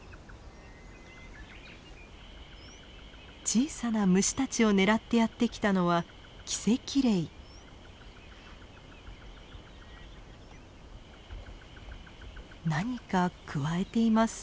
小さな虫たちを狙ってやって来たのは何かくわえています。